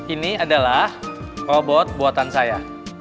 ini adalah robot buatan saya